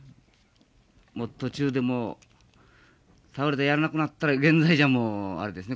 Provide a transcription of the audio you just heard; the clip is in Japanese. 途中でもう倒れてやらなくなったら現在じゃもうあれですね